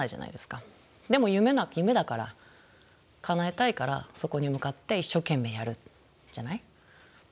でも夢だから叶えたいからそこに向かって一生懸命やるじゃない？